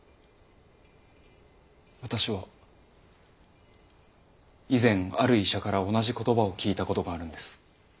私は以前ある医者から同じ言葉を聞いたことがあるんです。